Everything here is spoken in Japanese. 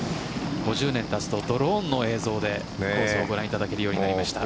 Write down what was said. ５０年経つと、ドローンの映像で放送をご覧いただけるようになりました。